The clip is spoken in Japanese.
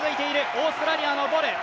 オーストラリアのボル。